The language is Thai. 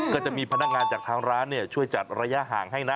ก็จะมีพนักงานจากทางร้านช่วยจัดระยะห่างให้นะ